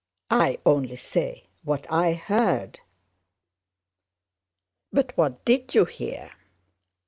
I only say what I heard." "But what did you hear?"